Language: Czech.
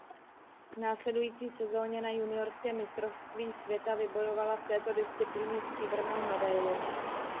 V následující sezóně na juniorském mistrovství světa vybojovala v této disciplíně stříbrnou medaili.